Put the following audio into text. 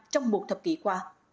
trong một thập kỷ qua